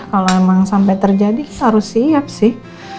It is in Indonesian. kalau emang sampai terjadi harus siap sih